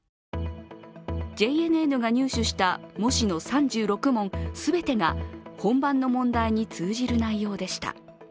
ＪＮＮが入手した模試の３６問全てが、本番の問題に通じる内容でした。